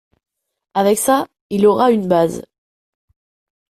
Avec ça, il aura une base.